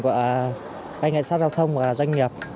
của anh cảnh sát giao thông và doanh nghiệp